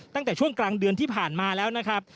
ตั้งแต่ช่วงกลางเดือนที่ผ่านมาแล้วนะครับ